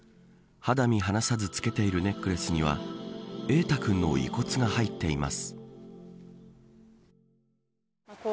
肌身離さずつけているネックレスには瑛大君の遺骨が入っています。